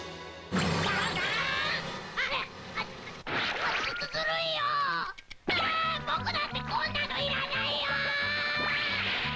僕だってこんなのいらないよー！